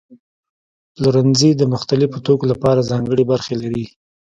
پلورنځي د مختلفو توکو لپاره ځانګړي برخې لري.